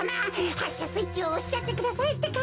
はっしゃスイッチをおしちゃってくださいってか。